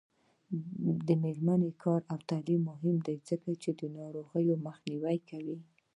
د میرمنو کار او تعلیم مهم دی ځکه چې ناروغیو مخنیوی کوي.